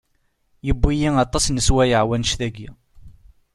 Yewwi-yi aṭas n sswayeɛ wanect-aki.